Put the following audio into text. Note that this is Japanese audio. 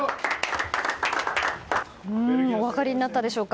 お分かりになったでしょうか。